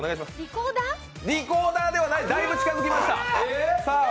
リコーダー？だいぶ近づきました！